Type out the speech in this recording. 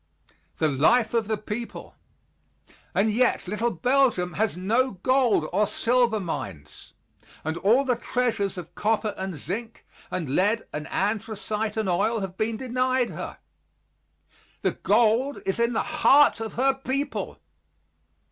THE LIFE OF THE PEOPLE And yet, little Belgium has no gold or silver mines, and all the treasures of copper and zinc and lead and anthracite and oil have been denied her. The gold is in the heart of her people.